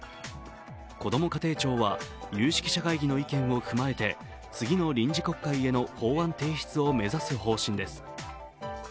こども家庭庁は有識者会議の意見を踏まえて次の臨時国会への法案提出を目指す方針です。